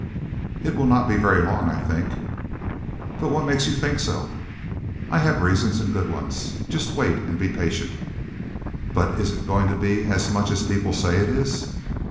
"It will not be very long, I think." "But what makes you think so?" "I have reasons and good ones. Just wait, and be patient." "But is it going to be as much as people say it is?"